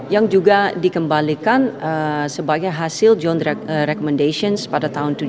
yang juga dikembalikan sebagai hasil george recommendations pada tahun seribu sembilan ratus tujuh puluh